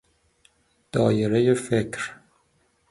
دایره فکر